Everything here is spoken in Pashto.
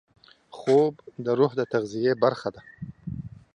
خوب د روح د تغذیې برخه ده